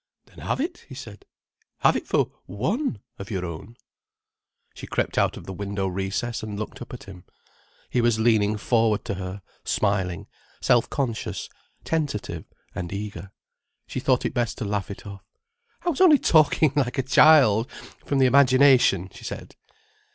"Then have it," he said. "Have it for one of your own." She crept out of the window recess and looked up at him. He was leaning forward to her, smiling, self conscious, tentative, and eager. She thought it best to laugh it off. "I was only talking like a child, from the imagination," she said.